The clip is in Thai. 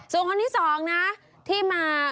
ส่วนคนที่๒นะที่มา